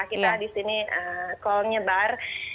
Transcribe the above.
kita di sini call nya bar